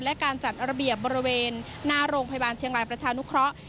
และการจัดระเบียบบริเวณหน้าโรงพยาบาลเชียงรายประชานุเคราะห์